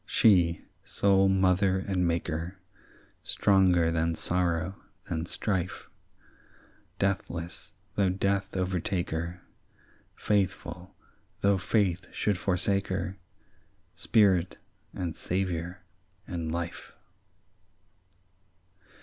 "She, sole mother and maker, Stronger than sorrow, than strife; Deathless, though death overtake her; Faithful, though faith should forsake her; Spirit, and saviour, and life."